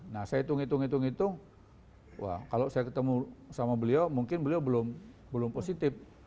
nah saya hitung hitung wah kalau saya ketemu sama beliau mungkin beliau belum positif